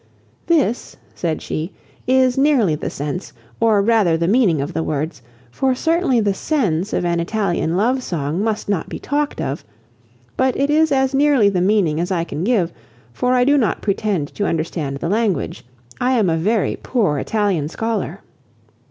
"This," said she, "is nearly the sense, or rather the meaning of the words, for certainly the sense of an Italian love song must not be talked of, but it is as nearly the meaning as I can give; for I do not pretend to understand the language. I am a very poor Italian scholar."